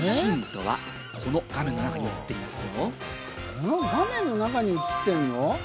この画面の中に映ってるの？